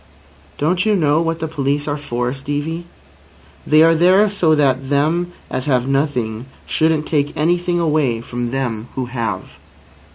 "Don't you know what the police are for, Stevie? They are there so that them as have nothing shouldn't take anything away from them who have."